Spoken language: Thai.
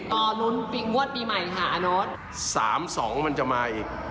ตอนนู้นปิงวัดปีใหม่ค่ะอันนดสามสองมันจะมาอีก